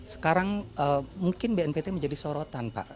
sekarang mungkin bnpt menjadi sorotan pak